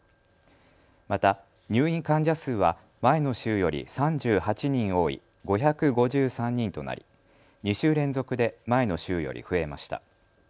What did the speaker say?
また入院患者数は前の週より３８人多い５５３人となり２週連続で前の週より増えました。